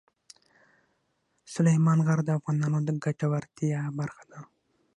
سلیمان غر د افغانانو د ګټورتیا برخه ده.